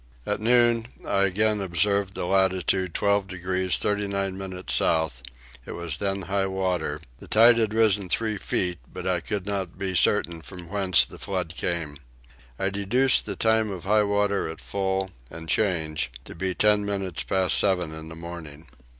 At noon I again observed the latitude 12 degrees 39 minutes south; it was then high water, the tide had risen three feet, but I could not be certain from whence the flood came. I deduce the time of high water at full and change to be ten minutes past seven in the morning.